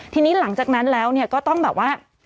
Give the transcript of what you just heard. ทีนี้หลังจากนั้นแล้วก็ต้องแบบว่า